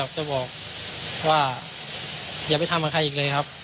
จะบอกว่าอย่าไปทำกับใครอีกเลยครับ